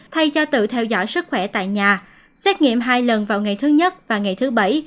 thay cho tự theo dõi sức khỏe tại nhà xét nghiệm hai lần vào ngày thứ nhất và ngày thứ bảy